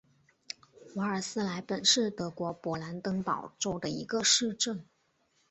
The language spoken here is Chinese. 瓦尔斯莱本是德国勃兰登堡州的一个市镇。